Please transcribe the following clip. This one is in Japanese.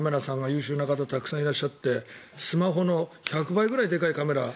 優秀な方がたくさんいらっしゃってスマホの１００倍ぐらいでかいカメラ。